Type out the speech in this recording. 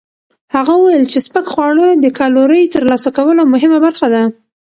هغه وویل چې سپک خواړه د کالورۍ ترلاسه کولو مهمه برخه ده.